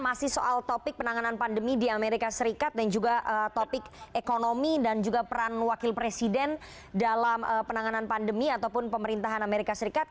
masih soal topik penanganan pandemi di amerika serikat dan juga topik ekonomi dan juga peran wakil presiden dalam penanganan pandemi ataupun pemerintahan amerika serikat